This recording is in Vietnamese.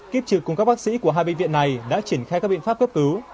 kiếp trực cùng các bác sĩ của hai bệnh viện này đã triển khai các biện pháp cấp cứu